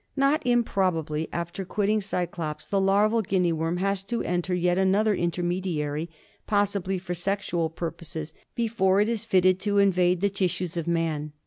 Not improbably after quitting cyclops the larval Guinea worm has to enter yet another intermediary, possibly for sexual purposes, before it is fitted to invade the tissues of man.